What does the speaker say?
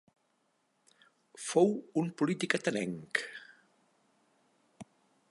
Fou un polític atenenc.